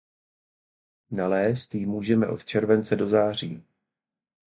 Nalézt ji můžeme od července do září.